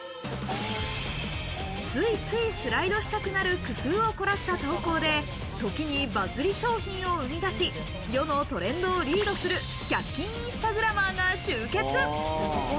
ついついスライドしたくなる工夫を凝らした投稿で、時に、バズり商品を生み出し、世のトレンドをリードする１００均インスタグラマーが集結。